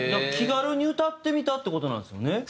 「気軽に歌ってみた」って事なんですね。